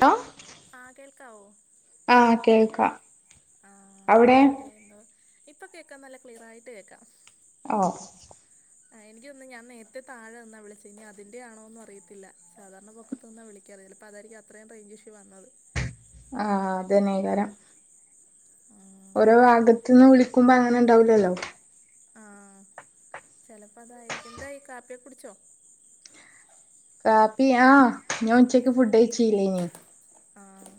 To ആഹ് കേൾക്കാവോ ആഹ് കേൾക്കാം അവിടെ ഇപ്പ കേക്കാം നല്ല ക്ലിയറായിട്ട് കേക്കാം ഓഹ് ആഹ് എനിക്ക് തോന്നുന്നു ഞാൻ നേരത്തെ താഴെ നിന്ന വിളിച്ചേ ഇനി അതിന്റെ ആണോന്നും അറിയത്തില്ല സാധാരണ പൊക്കത്തുനിന്ന വിളിക്കല് ചെലപ്പോ അതായിരിക്കും അത്രയും റേഞ്ച് ഇഷ്യൂ വന്നത് ആഹ് അതെന്നെകാരം ആഹ് ഓരോ ഭാഗത്ത്ന്ന് വിളിക്കുമ്പോ അങ്ങനെ ണ്ടാവൂല്ലല്ലോ ആഹ് ചെലപ്പതായിരിക്കും എന്തായി കാപ്പ്യൊക്കുട്ച്ചോ? കാപ്പി ആഹ് ഞാൻ ഉച്ചക്ക് ഫുഡയ്ച്ചീല്ലേനി ആഹ്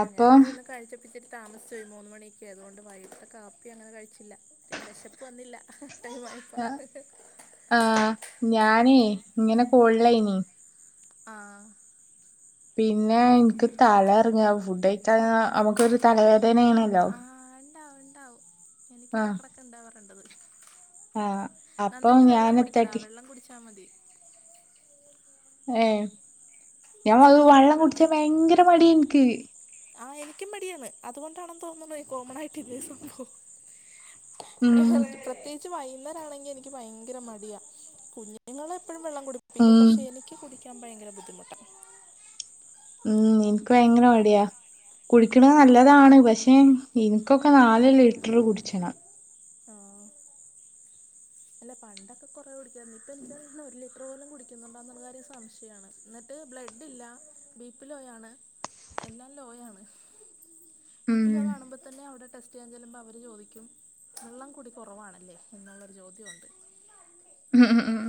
ആഹ് അപ്പൊ ഞങ്ങള് ഇന്ന് കഴിച്ച ഇത്തിരി താമസിച്ചോയി മൂന്ന് മണിക്ക്യെ അത്കൊണ്ട് വൈകിട്ട് കാപ്പി അങ്ങനെ കഴിച്ചില്ല. എന്താ ശെപ്പ് വന്നില്ല ടൈ [unintelligible] അഹ് ആഹ് ഞാനേ ഇങ്ങനെ കോൾളേനി ആഹ് പിന്നെ ഇൻക് തല ർങ്ങാ ഫുഡ് കയ്ച്ചാഞ്ഞ നമ്മക്കൊരു തലവേദനേണ ആഹ് ണ്ടാവും ണ്ടാവും ആഹ് ഇൻക്കെടക്കെടക്ക്‌ണ്ടാവാറിണ്ടത്. ആഹ് അപ്പൊ നന്നായിട്ട് വെള്ളം കുടിക്കെടാ ഞാനെത്താട്ടി വെള്ളം കുടിച്ചാ മതി. ഏഹ് ഞാൻ വ ഇഷ്ടം പോലെ വള്ളം വെള്ളം കുടിച്ചാൻ കുടിക്ക വയങ്കര മട്യാ ൻക്. ആഹ് എനിക്കും മടിയാണ് അത്കൊണ്ടാണെന്ന് തോന്ന്ന്നല്ലേ കോമണായിട്ട് ഇതേ സംഭവം ഉം പ്രത്യേകിച്ച് വൈകുന്നേരാണെങ്കി എനിക്ക് ഭയങ്കര മടിയാ കുഞ് ങ്ങളെപ്പഴും വെള്ളം കുടിപ്പിക്കും ഉം പക്ഷെ എനിക്ക് കുടിക്കാൻ ഭയങ്കര ബുദ്ധിമുട്ടാ. ഉം ഇൻക് വയങ്കര മട്യാ. കുടിക്ക്ണെ നല്ലതാണ് പക്ഷേ ഇൻക്കൊക്കെ നാല് ലിറ്ററ് കുട്ച്ചണം. ആഹ് അല്ലെ പണ്ടൊക്കെ കൊറെ കുടിക്കാര്ന്ന് ഇപ്പൊ എന്താ [unintelligible] ഒര് ലിറ്റർ പോലും കുടിക്ക്ന്ന്ണ്ടോന്ന്ള്ളൊരു സംശയാണ്. ന്നട്ട് ബ്ലഡില്ല ബി പി ലോയാണ് എല്ലാം ലോയാണ്. ബി ഉം പി ലോ കാണുമ്പോ തെന്നെ അവടെ ടെസ്റ്റെയ്യാൻ ചെല്ലുമ്പോ അവര് ചോദിക്കും വെള്ളം കൂടി കൊറവാണല്ലേ എന്നുള്ളൊരു ചോദ്യൊണ്ട്. ഉം ഉം ഉം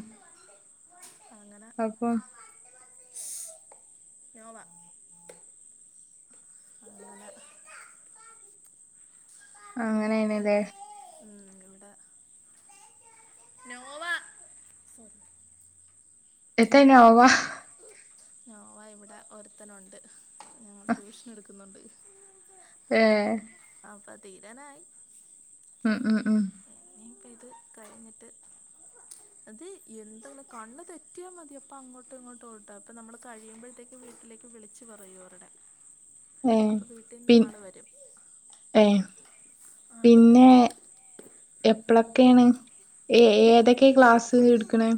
അങ്ങനെ അപ്പൊ [unintelligible] [unintelligible] അങ്ങനെണ് ലെ ഉം, ഇവിടെ നോവ എത്ത ഈ നോവ നോവ ഇവടെ ഒര്ത്തനുണ്ട് ഞങ്ങ [unintelligible] ട്യൂഷെനെട്ക്ക്ന്നുണ്ട്. ഏഹ് അപ്പൊ തീരാനായി. ഉം ഉം ഉം ഇനി പ്പ ത് കഴിഞ്ഞിട്ട്. അത് എന്തണ് കണ്ണ് തെറ്റ്യാമതി അപ്പ അങ്ങോട്ട്ങ്ങോട്ടും ഓട്ട പ്പ നമ്മള് കഴിയുമ്പഴത്തേക്കും വീട്ടിലേക്ക് വിളിച്ച് പറയും അവര്ടെ ഏഹ് പിം ഏഹ് ആള് പിന്നെ എപ്പളൊക്കെണ്? ഏ ഏതൊക്കെ ക്ലാസ് ഇട്ക്ക്ണെ?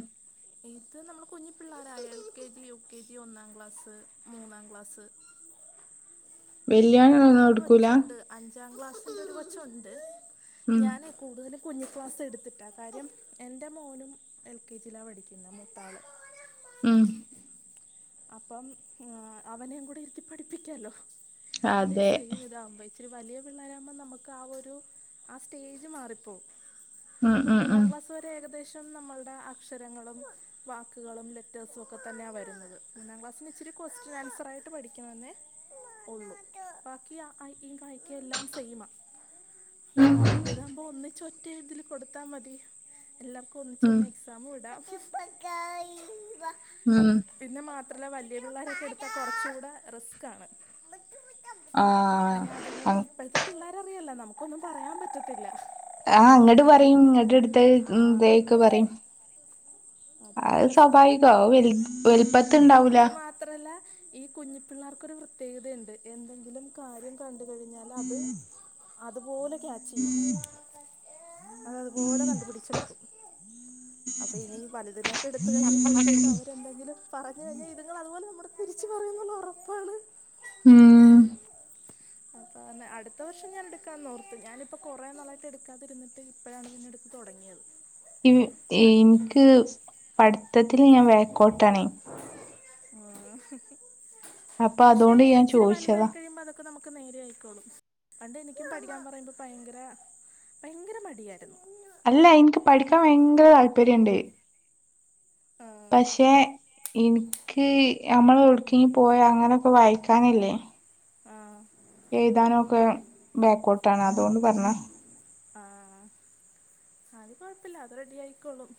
ഇൻക്ക് നമ്മള് കുഞ്ഞു പിള്ളാരാ L K G, U K G, ഒന്നാം ക്ലാസ്, മൂന്നാം ക്ലാസ് വെല്ല്യൊന്നും പിന്നെ ഒരു ഇങ്ങള്ട്ക്കൂല? കൊച്ചുണ്ട് അഞ്ചാം ക്ലാസ്സിൻ്റൊരു കൊച്ചുണ്ട് ഉം ഞാന് കൂടുതലും കുഞ്ഞു ക്ലാസാട്ത്തിട്ടാ കാര്യം എൻ്റെ മോനും എൽ കെ ജിലാ പഠിക്കുന്നെ മുത്താള്. ഉം അപ്പം ഏഹ് അവനെം കൂടെ ഇര്ത്തി പഠിപ്പിക്കല്ലോ അതെ സെയിം മ്താവുമ്പേ ഇത്തിരി വലിയ പിള്ളാരാവുമ്പോ നമുക്ക് ആ ഒരു ആ സ്റ്റേജ് മാറിപ്പോവും. ഉം ഇപ്പം ഉം മൂന്നാം ഉം ക്ലാസ് വരെ ഏകദേശം നമ്മൾടെ അക്ഷരങ്ങളും വാക്കുകളും ലെറ്റേഴ്സൊക്കെ തന്നെ വരുന്നത്. മൂന്നാം ക്ലാസ്സിന് ഇച്ചിരി ക്വസ്റ്റൻ ആൻസറായിട്ട് പഠിക്കണമെന്നേ ഒള്ളു ബാക്കി അ ആ ഇ ഈ കായിക്ക എല്ലാം സെയിമ ഞങ്ങൾ എന്ത് ഇതാകുമ്പോ ഒന്നിച്ച് ഒറ്റ ഇതിൽ കൊടുത്താ മതി എല്ലാർക്കും ഒന്നിച്ചു ഉം തന്നെ സമൂട ഉം പിന്നെ മാത്രല്ല വലിയ പിള്ളേരൊക്കെ എടുത്താൽ കുറച്ച് കൂടെ റിസ്ക് ആണ് ആ അയ ആ അതുങ്ങള് ഇപ്പോഴത്തെ പിള്ളേരറിയല്ല നമുക്കൊന്നും പറയാൻ പറ്റത്തില്ല ആഹ് അങ്ങോട്ട് പറയും ഇങ്ങട്ട് എടുത്ത് ആ ഇതൊക്കെ പറയും അതാണ് അത് സ്വാഭാവികവും വല്യ വലുപ്പ പിന്നെഅത് മാത്രല്ല ഈ കുഞ്ഞി പിള്ളേർക്കൊരു പ്രത്യേകതയുണ്ട് എന്തെങ്കിലും കാര്യം കണ്ട് കഴിഞ്ഞാൽ അത് അതുപോലെ ക്യാച്ച് ചെയ്യും അതതുപോലെ കണ്ടുപിടിച്ചെടുക്കും അപ്പൊ ഇനി ഈ വലുതിനിനെയൊക്കെ എടുത്ത് കഴിയുമ്പോഴത്തേക്കും അവരെന്തെങ്കിലും പറഞ്ഞു കഴിഞ്ഞാൽ ഇതുങ്ങൾ അതുപോലെ നമ്മുടെ തിരിച്ച് പറയുന്ന ഒറപ്പാണ് ഉം അപ്പ അടുത്തവർഷം ഞാൻ എടുക്കാന്നോർത്ത് ഞാനിപ്പ കുറേ നാളായിട്ട് എടുക്കാതിരുന്നട്ട് ഇപ്പോഴാണ് പിന്നെ എടുത്ത് തൊടങ്ങിയത് [inaudible] ഈ ഇനിക്ക് പഠിത്തത്തിൽ ഞാൻ വ ഉം അപ്പൊ പക്ഷെ അതുകൊണ്ട് ഞാൻ ഇച്ചിരി ചോദിച്ചതാ വലുതായി കഴിയുമ്പോ അതൊക്കെ നമുക്ക് നേരെ ആയിക്കോളും പണ്ട് എനിക്കും പഠിക്കാൻ പറയുമ്പോ ഭയങ്കര ഭയങ്കര മടിയായിരുന്നു അല്ല ഇന്ക്ക് പഠിക്കാൻ ഭയങ്കര താല്പര്യണ്ട് ആ പക്ഷെ ഇന്ക്ക് നമ്മൾ എവിടേക്കെങ്കിലും പോയ അങ്ങനെയൊക്കെ വായിക്കാനില്ലേ ആഹ് എഴുതാനും ഒക്കെ ബാക്കൊട്ട് ആണ് അതുകൊണ്ട് പറഞ്ഞ ആഹ് അത് കൊഴപ്പില്ല അത് റെഡി ആയിക്കോളും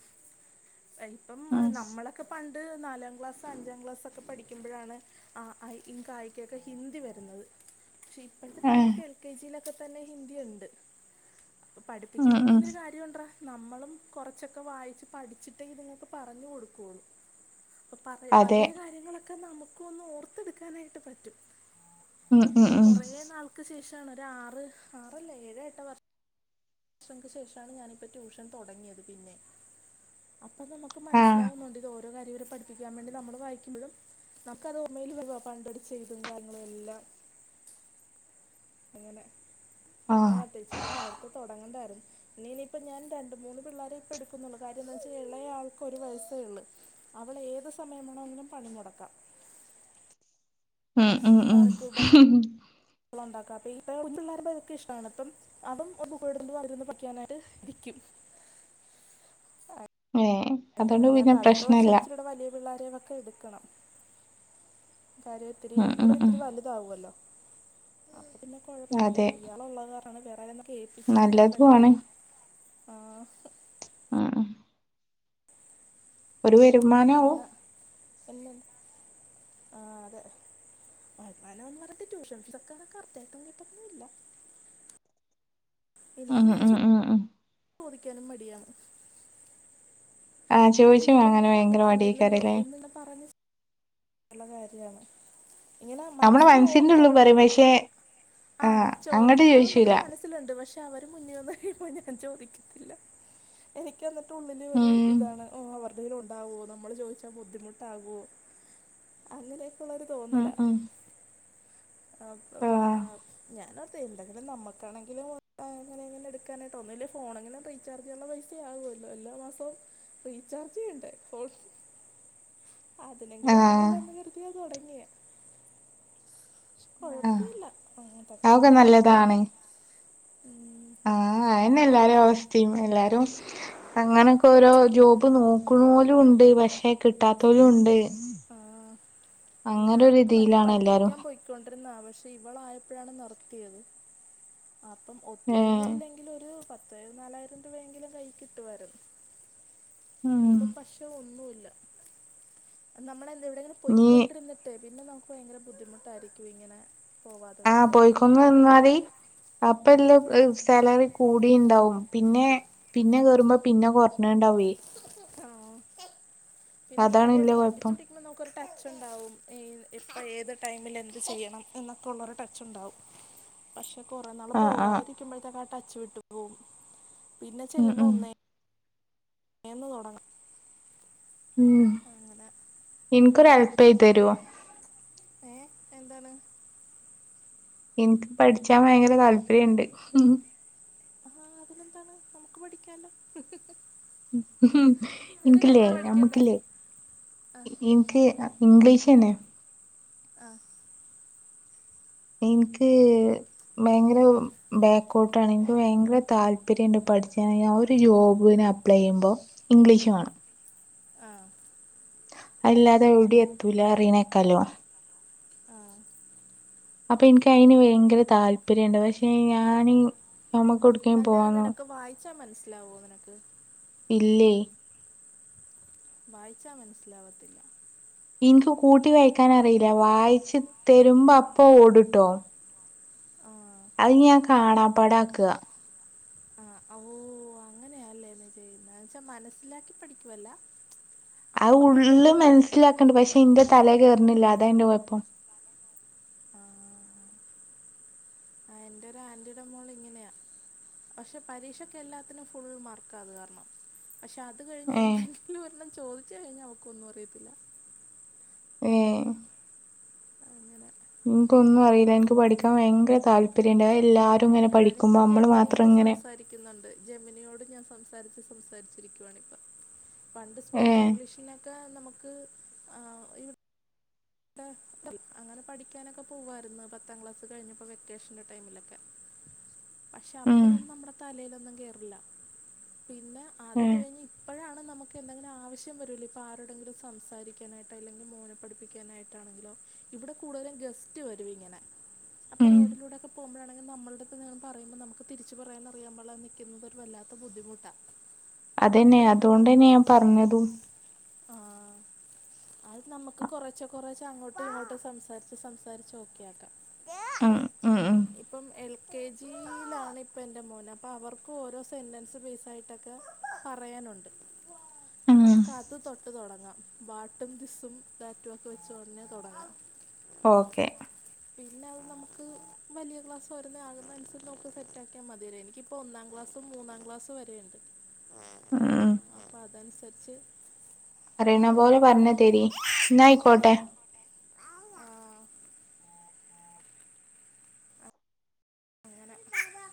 ഇപ്പം ഉം നമ്മളെ ഒക്കെ പണ്ട് നാലാം ക്ലാസ് അഞ്ചാം ക്ലാസ്സൊക്കെ പഠിക്കുമ്പോഴാണ് ആഹ് ക ഖ യൊക്കെ ഹിന്ദി വരുന്നത് പക്ഷെ ഇപ്പോഴത്തെ ഏഹ് പിള്ളേർക്ക് എൽ കെ ജിയിലൊക്കെ തന്നെ ഹിന്ദി ഉണ്ട്. ഉം പഠിപ്പിക്കുമ്പോ ഉം പിന്നൊരു കാര്യ നമ്മളും കൊറച്ചൊക്കെ വായിച്ച് പഠിച്ചിട്ടേ ഇതുങ്ങൾക്ക് പറഞ്ഞു കൊടുക്കുവുള്ളൂ അപ്പൊ പഴ അതെ പഴയ കാര്യങ്ങളൊക്കെ നമുക്ക്‌ ഒന്ന് ഓർത്തെടുക്കാനായിട്ട് പറ്റും ഉം ഉം ഇപ്പൊ ഉം കൊറേ നാൾ ക്ക് ശേഷാണ് ആറ് ആറല്ല ഏഴ് എട്ട് വർഷ വർഷങ്ങൾക്ക് ശേഷം ണ് ഞാനിപ്പ ട്യൂഷൻ തൊടങ്ങിയത് പിന്നെ അപ്പൊത് ക്കൾക് ആഹ് മനസ്സിലാവുന്നുണ്ട് ഓരോ കാര്യവും ഇവരെ പഠി പഠിപ്പിക്കാൻ വേണ്ടി നമ്മള് വായിക്കുമ്പോഴും നമുക്ക് അത് ഓർമ്മയിൽ വരും പണ്ട് അടി കിട്ടിയേം ചെയ്തും കാര്യങ്ങളും എല്ലാം അങ്ങനെ ആഹ് ഇച്ചിരിയോടെ നേരത്തെ തുടങ്ങേണ്ടതായിരുന്നു ഇ ഇനിയിപ്പ ഞാൻ രണ്ട് മൂന്ന് പിള്ളേർക്കേ ഇപ്പ എടുക്കുന്നുള്ളൂ. കാര്യം എന്താന്ന് വെച്ചാ ഇളയ ആൾക്ക് ഒരു വയസേ ഉള്ളു അവൾ ഏത് സമയം വേണോങ്കിലും പണിമുടക്കാം ഉം ഉം ഉം ഉണ്ടാക്കുക അപ്പൊ ഇപ്പ പിള്ളാർക്കൊക്കെ ഇതോക്കെ ഇഷ്ടമാണ് ഇപ്പം അതും [inaudible] അതിൽന്ന് പഠിക്കാനായിട്ട് ഇരിക്കും ഏ ങ്ങന ഞാന് അടുത്ത വർഷം ഇച്ചിരുടെ വലിയ പിള്ളോരെയക്കെ ഇടുക്കണം കാര്യം ഇത്തിരി ഉം ഉം ഉം ഇവൻഇത്തിരി വലുതാവുവല്ലോ പിന്നെ കൊഴപ്പല്ല അതെ ഇയാൾ ഉള്ള കാരണം വേറെയാരേം ഏല്പ്പിച്ചിട്ട് വരാൻ നല്ലതും പറ്റില്ല ആണ് ആഹ് ഉം ഉം ഒരു വെരുമാനും ആവും പിന്നെ ആഹ് അതെ അങ്ങെനെ പർഞ്ഞാലെന്റെ ട്യൂഷൻസാെക്കെ അവ്ടെ കറക്റ്റായിട്ട് [unintelligible] ന്നില്ല ഉം ഉം ഉം ഉം ചോദിക്ക്യാനും മടിയാണ് ആഹ് ചോദിച്ചു തന്നില്ലെങ്കിൽ വാങ്ങാന് നമ്മടെ ഭയങ്കര തന്നില്ലല്ലോ മടിയേക്കാരല്ലേ എന്ന്ങ്ങനെ പറഞ്ഞ് കാര്യാണ് ഇങ്ങെനെ നമ്മളെ മനസ്സിന്റെ മനസ്സിലോർക്കും ഉള്ളിൽ പറയും പക്ഷെ ആഹ് അങ്ങട്ട് ചോദിക്കണംന്നൊക്കെ ചോദിച്ചൂല മനസ് ത്ത്ല്ണ്ട് പക്ഷെ അവര് മുന്നിൽ വന്ന് കഴിയുമ്പോ ഞാൻ ചോദിക്കത്തില്ലാ എനിക്ക് എന്നിട്ട് ഉള്ളില് ഒരു ഉം ഇതാണ് ഓഹ് അവര്ടേൽ ഉണ്ടാവോ നമ്മള് ചോയ്ച്ചാ ബുദ്ധിമുട്ടാവോ അങ്ങെനെയൊക്കെ ഉള്ളൊരു ഉം തോന്നലാ ഉം അപ് അപ് ആഹ് ആപ് ഞാനോർത്തെ എന്തെങ്കിലും നമക്കാണെങ്കിലും അങ്ങെനെങ്ങെനെ എട്ക്കാനായിട്ട് ഒന്നൂല്ലെ ഫോണെങ്കിലും റീ ചാർജ്ന്ള്ളെ പൈസ ആകുവല്ലോ എല്ലാ മാസവും റീചാർജ് ചെയ്യേണ്ടേ ഫോൺ അതിനെങ്കിലും ആഹ് ആകുവല്ലോന്ന് കര്തിയാ താെടങ്ങിയേ കൊഴപ്പ ആഹ് ഇല്ലാ അ തട്ടീം അതൊക്കെ മുട്ടീയാെക്കെ നല്ലതാണ് പോണ് ഉം ആഹ് അതെന്നെ എല്ലാരിം അവസ്തിം എല്ലാരും അങ്ങനൊക്കെ ഓരോ ജോബ് നോക്ക്ണോലുണ്ട് പക്ഷെ കിട്ടാത്തോലും ണ്ട് ആഹ് ഞാൻ മറ്റേ ഇതിയിലാണ് എല്ലാരും പഠിപ്പിക്കാം പോയി കൊണ്ടിര്ന്നതാ പക്ഷെ ഇവളായപ്പഴാണ് നിർത്തിയത് അപ്പം ഒത്തിരി ഒന്നും ഏഹ് ഇല്ലെങ്കിലും ഒരു പ ത്ത് നാലായിരം രൂപയെങ്കിലും കയ്യീ കിട്ടുവാര്ന്ന് ഉം ഇപ്പം പഷേ ഒന്നൂല്ലാ നമ്മളെന്ത് എവിടെങ്കിലും ഇനി പൊയ്‌കൊണ്ട്ര്ന്നിട്ടെ പിന്നെ നമ്ക്ക് ഭയങ്കര ബുദ്ധിമുട്ടായിരിയ്ക്കും ഇങ്ങെനെ ആഹ് പൊയ്ക്കുന്ന് ന്നാല് അപ്പെല്ലെ സ് സേലറി കൂടിണ്ടാവും പിന്നേ പിന്നെ കേറുമ്പം പിന്നെ കൊർഞ്ഞ്ണ്ടാവേ ആഹ് പിന്നെ അതാണ് കാര്യെണ്ട് വല്യ കൊഴപ്പം പഠിപ്പിച്ചാേണ്ടി മ്പൊ നമുക്കൊരു ടച്ചുണ്ടാവും ഈ ഇപ്പം ഏത് ടൈമില് എന്ത് ചെയ്യണം എന്നെക്കെ ഉള്ളാെരു ടച്ചുണ്ടാവും പക്ഷെ കൊറേനാള് ആഹ് ആഹ് പോകാതിരിക്കുമ്പെഴ്ത്തേക്കാ ആ ടച്ച് വിട്ട്പോവും പിന്നെ ഉം ചെല്ല്മ്പ ഉം ഒന്നേ ന്ന് തൊടങ്ങ ഉം അങ്ങെനെ ഇൻക്കൊരെൽപെയ്തെരോ ഏഹ് എന്താണ്? ഇൻക്ക് പഠ്ച്ചാം വയങ്കര താല്പര്യണ്ട് ഉം ഉം ആഹ് അതിനെന്താണ് നമുക്ക് പഠിക്കാലോ ൻക്ക്ല്ലേ പഠിക്കണ്ടേ ഞമ്മക്ക്ല്ലേ ആ ഇ ഇൻക്ക് അ ഇംഗ്ലീഷെന്നെ ആഹ് ഇൻക്ക് ബെയ്ങ്കെരം ബേക്കോട്ട് ആണ് ൻക്ക് ഭയങ്കര താല്പര്യംണ്ട് പഠിച്ണെങ്കി ആഹ് ഒര് ജോബ്ന് അപ്ലൈയ്യുമ്പോ ഇംഗ്ലീഷ് മാണം ആഹ് അത്‌ല്ലാതെ എവ്ടീം ത്തൂലാന്നറീണേക്കല്ലൊ ആഹ് അപ്പൊ ഇൻക്ക് അയ്ന് വെയ്ങ്കെരെ താല്പര്യണ്ട് പക്ഷേ ഞാന് ഞമ്മകൊട് അല്ലാ നിനക്ക് വായിച്ചാ മനസ്‌ലാവോ നിനക്ക് ഇല്ലേ വായിച്ചാ മൻസ്സ്ലാവത്തില്ല ഇൻക്ക് കൂട്ടി വായ്ക്കാനറീലാ വായിച്ച് തെരുമ്പ അപ്പൊ ഓടുട്ടോ ആഹ് അഹ് ഞാൻ കാണാപാടാക്കാ ആഹ് ഓഹ് അങ്ങനെയാല്ലേ നീ ചെയ്യുന്നേ ന്നെചാ മനസ്സിലാക്കി പഠിക്കുവല്ല അഹ് ഉള്ള് മെൻസ്സിലാക്ക്ണ്ട് പക്ഷെ ഇന്റെ തലേ കേർണില്ല അതാ ഇന്റെ കൊഴപ്പം ആ ആഹ് എന്റെ ഒരു ആന്റീഡ മോൾ ഇങ്ങനെയാ പക്ഷെ പരീക്ഷക്കെല്ലാത്തിനും ഫുൾ മാർക്കാ ന്ന് പറഞ്ഞു പക്ഷെ അത് കഴിഞ്ഞ് ഏഹ് എന്തെങ്കിലും ഒരെണ്ണം ചോദിച് കഴിഞ്ഞാ അവക്കൊന്നു അറിയത്തില്ല ഏഹ് അങ്ങനെ ഇൻക്കൊന്നും അറീല്ല ഇൻക്ക് പഠിക്കാൻ ഭയങ്കര താൽപര്യണ്ട് അഹ് എല്ലാ- രുങ്ങനെ പഠിക്കുമ്പോ മ്മള് മാത്രം ങ്ങനെ ക്യുന്നുണ്ട് ജെമിനിയോട് ഞാൻ സംസാരിച്ച് സംസാരിച്ചിരിക്കുവാണിപ്പ പണ്ട് സ്പോക്കൺ ഏഹ് ഇംഗ്ലീഷിനൊക്കെ നമുക്ക് ഏഹ് ഇ- അങ്ങനെ പഠിക്കാനൊക്കെ പോവാര്ന്ന് പത്താ ക്ലാസ് കഴിഞ്ഞപ്പോ വെക്കേഷന്റെ ടൈമിലൊക്കെ പക്ഷെ ഉം അപ്പഴൊന്നു മ്മടെ തലയിലൊന്നും കേറില്ല പിന്നെ അത് ഏഹ് കഴിഞ്ഞ് ഇപ്പോഴാണ് നമുക്ക് എന്തെങ്കിലും പ്പൊഴാണ് നമുക്ക് എന്തെങ്കിലും ആവശ്യം വരൂലേ ഇപ്പോ ആരോടെെങ്കിലും സംസാരിക്കാനായിട്ട് അല്ലെങ്കിൽ മോനെ പഠിപ്പിക്കാനായിട്ട് ഇവിടെ കൂടുലും ഗസ്റ്റ് വരും ഇങ്ങനെ അപ്പൊ ഉം റോഡിലൂടെക്കെ പോകുമ്പോഴാണെങ്കി നമ്മള ളെട്തെന്തെങ്കിലും പറുമ്പോ നമുക്ക് തിരിച്ച പറയാൻ അറിയാമ്പാട്ല്ലാതെ നിക്ക്ന്നതൊരു വല്ലാത്ത ബുദ്ധിമുട്ടാ അതെന്നെ അതോണ്ടെന്നെ ഞാൻ പറഞ്ഞതും ആഹ് അത് നമുക്ക് കുറചൊ- കൊറേച്ചെ അങ്ങോട്ടും ഇങ്ങോട്ടും സംസാരിച്ച് സംസാരിച്ച് ഓക്കെ ആക്കാം ഉം ഉം ഉം ഇപ്പം എൽ കെ ജിയിലാണ് ഇപ്പ എൻ്റെ മോൻ അപ്പൊ അവർക്ക് ഓരോ സെന്റൻസ് ബേസ് ആയിട്ടൊക്കെ പറയാനൊണ്ട് ഉം നമുക്ക് അത് തൊട്ട് തുടങ്ങാം വാട്ടും ദിസും താറ്റും പൊയ്ച്ചോറിന് തൊടങ്ങാം ഓക്കേ പിന്നെ അത് നമുക്ക് വലിയ ക്ലാസ് വരുന്ന ആകുന്ന അനുസരിച്ച് നോട്ട് സെറ്റ് ആക്കിയാ മതിയ എനി ക്കി പ്പോ ഒന്നാം ക്ലാസ്സും മൂന്നാം ക്ലാസ്സും വരെയിണ്ട് ആഹ് പ്പ അതനുസരിച്ച് അറിയണ ഓക്കെ പോലെ പറഞ്ഞ് തരീ എന്നായിക്കോട്ടെ ആഹ്